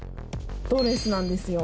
ドレスなんですよ。